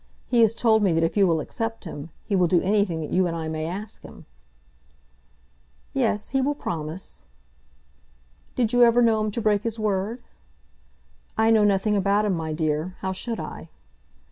He has told me that if you will accept him, he will do anything that you and I may ask him." "Yes; he will promise." "Did you ever know him to break his word?" "I know nothing about him, my dear. How should I?"